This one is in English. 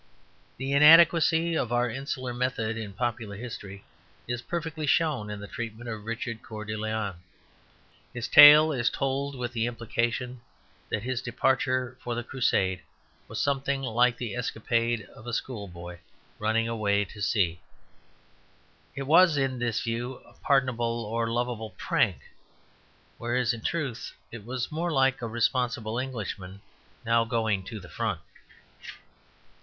The inadequacy of our insular method in popular history is perfectly shown in the treatment of Richard Coeur de Lion. His tale is told with the implication that his departure for the Crusade was something like the escapade of a schoolboy running away to sea. It was, in this view, a pardonable or lovable prank; whereas in truth it was more like a responsible Englishman now going to the Front.